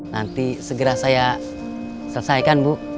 nanti segera saya selesaikan bu